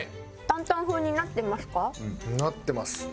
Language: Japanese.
担々風になってますか？